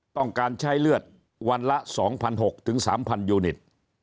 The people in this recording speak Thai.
ต้องการใช้เลือดวันละ๒๖๐๐๓๐๐ยูนิต